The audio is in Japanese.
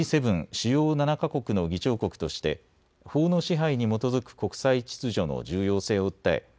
主要７か国の議長国として法の支配に基づく国際秩序の重要性を訴え